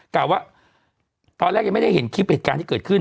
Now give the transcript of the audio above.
กล่าวว่าตอนแรกยังไม่ได้เห็นคลิปเหตุการณ์ที่เกิดขึ้น